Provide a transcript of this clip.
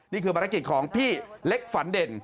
นี่คือภารกิจของพี่เล็กฝันเด่น